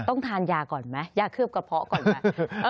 ต้องทานยาก่อนไหมยาเคลือบกระเพาะก่อนค่ะ